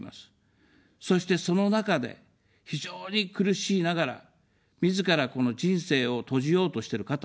そして、その中で非常に苦しいながら、みずからこの人生を閉じようとしてる方。